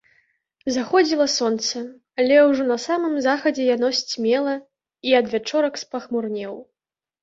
Заходзіла сонца, але ўжо на самым захадзе яно сцьмела, і адвячорак спахмурнеў.